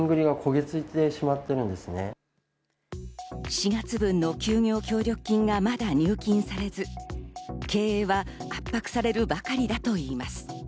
４月分の休業協力金がまだ入金されず、経営は圧迫されるばかりだといいます。